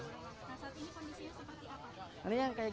nah saat ini kondisinya seperti apa